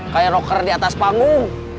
kayak rocker di atas panggung